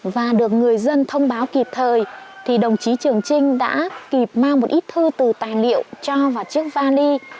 và được người dân thông báo kịp thời thì đồng chí trường trinh đã kịp mang một ít thư từ tài liệu cho vào chiếc vali